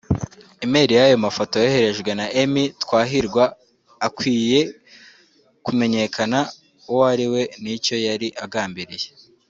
Email y’ayo mafoto yoherejwe na Emmy Twahirwa akwiye kumenyekana uwo ari we n’icyo yari agambiriye